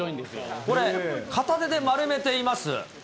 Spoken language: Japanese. これ、片手で丸めています。